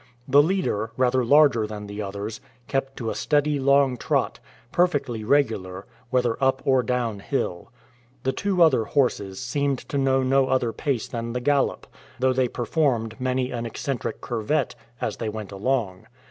The leader, rather larger than the others, kept to a steady long trot, perfectly regular, whether up or down hill. The two other horses seemed to know no other pace than the gallop, though they performed many an eccentric curvette as they went along.